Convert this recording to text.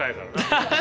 ハハハハ。